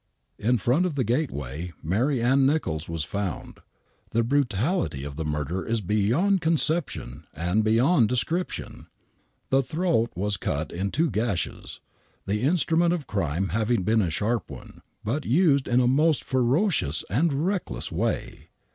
In front of the gateway, Mary Ann Nicholls was found. The brutality of the murder is beyond conception and beyond description. The throat was cut in two gashes, the instrument of crime having been a sharp one, but used in a most ferocious and reckless wav.